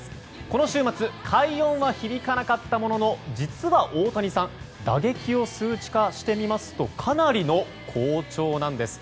この週末快音は響かなかったものの実は大谷さん打撃を数値化してみますとかなりの好調なんです。